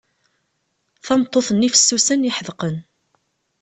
Tameṭṭut-nni fessusen, iḥedqen.